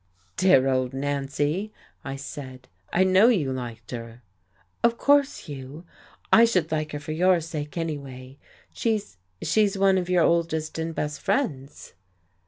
"Dear old Nancy!" I said. "I know you liked her." "Of course, Hugh. I should like her for your sake, anyway. She's she's one of your oldest and best friends."